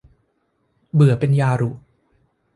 เบื่อเป็นยารุ